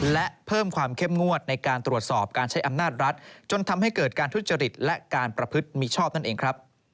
และเพิ่มความเข้มงวดในการตรวจสอบการใช้อำนาจรัฐจนทำให้เกิดการทุจริตและการประพฤติมิชอบนั่นเองครับ